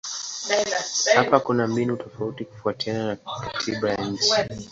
Hapa kuna mbinu tofauti kufuatana na katiba ya nchi.